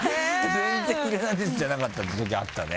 全然『ヒルナンデス！』じゃなかったってときあったね。